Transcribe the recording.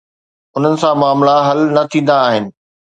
انهن سان معاملا حل نه ٿيندا آهن.